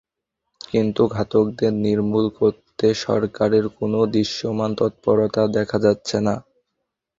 কিন্তু ঘাতকদের নির্মূল করতে সরকারের কোনো দৃশ্যমান তৎপরতা দেখা যাচ্ছে না।